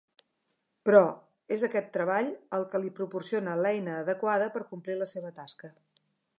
Però, és aquest treball el que li proporciona l'eina adequada per complir la seva tasca.